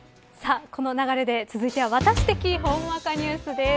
この流れで続いてはワタシ的ほんわかニュースです。